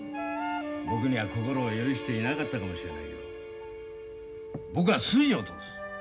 僕には心を許していなかったかもしれないが僕は筋を通す。